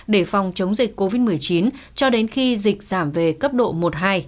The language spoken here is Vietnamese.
để phòng chống dịch covid một mươi chín cho đến khi dịch giảm về cấp độ một hai